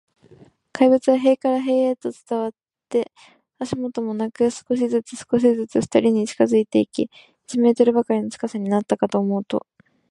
怪物は塀から塀へと伝わって、足音もなく、少しずつ、少しずつ、ふたりに近づいていき、一メートルばかりの近さになったかと思うと、